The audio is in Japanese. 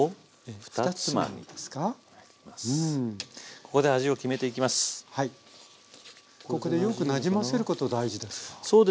ここでよくなじませること大事ですか？